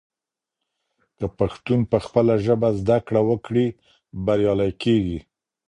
که پښتون پخپله ژبه زده کړه وکړي، بریالی کیږي.